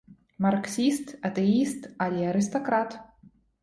Марксіст, атэіст, але арыстакрат!